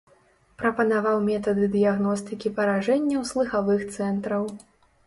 Прапанаваў метады дыягностыкі паражэнняў слыхавых цэнтраў.